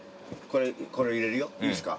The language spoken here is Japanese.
これ入れるよいいですか？